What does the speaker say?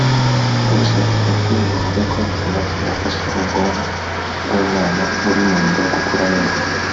ubushakashatsi buvuga ko amafi afasha ubwonko bw’umwana uri munda gukura neza